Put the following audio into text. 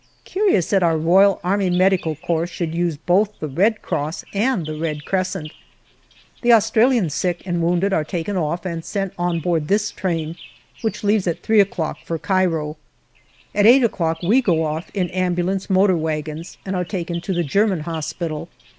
Curious that our R.A.M.C. should use both the Red Cross and the Red Crescent ! The Australian sick and wounded are taken off and sent on board this train, which leaves at three o'clock for Cairo. At eight o'clock we go off in ambulance motor wagons and are taken off to the German Hospital.